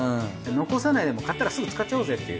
残さないでもう買ったらすぐ使っちゃおうぜっていう。